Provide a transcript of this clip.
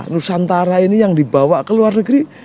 nusantara ini yang dibawa ke luar negeri